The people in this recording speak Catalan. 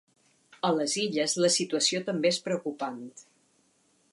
A les Illes la situació també és preocupant.